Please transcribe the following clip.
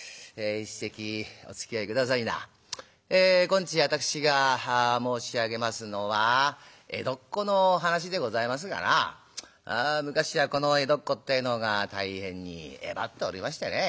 今日私が申し上げますのは江戸っ子の話でございますがな昔はこの江戸っ子ってえのが大変にえばっておりましてね